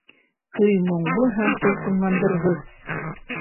Көй моңло һәм тулҡынландырғыс